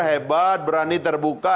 hebat berani terbuka